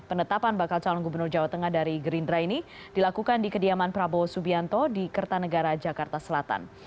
penetapan bakal calon gubernur jawa tengah dari gerindra ini dilakukan di kediaman prabowo subianto di kertanegara jakarta selatan